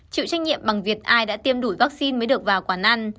chịu trách nhiệm bằng việc ai đã tiêm đủ vaccine mới được vào quán ăn